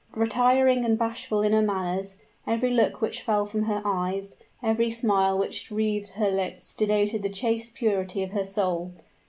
Retiring and bashful in her manners, every look which fell from her eyes every smile which wreathed her lips, denoted the chaste purity of her soul.